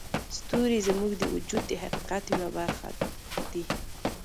ستوري زموږ د وجود د حقیقت یوه برخه دي.